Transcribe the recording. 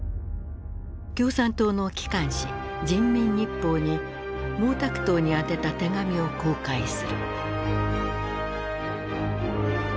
共産党の機関紙人民日報に毛沢東に宛てた手紙を公開する。